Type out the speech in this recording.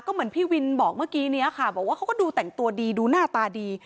ก็เหมือนพี่วินบอกเมื่อกี้นี้ค่ะบอกว่าเขาก็ดูแต่งตัวดีดูหน้าตาดี